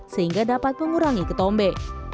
sehingga dapat mengurangi ketombe